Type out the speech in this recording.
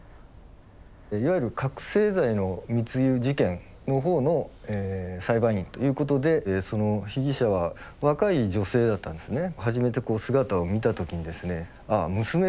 いわゆる覚醒剤の密輸事件の方の裁判員ということでその被疑者は若い女性だったんですね。